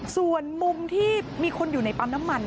ส่วนมุมที่มีคนอยู่ในปั๊มน้ำมัน